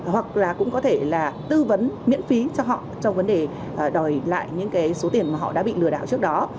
hoặc là cũng có thể là tư vấn miễn phí cho họ trong vấn đề đòi lại những cái số tiền mà họ đã bị lừa đảo trước đó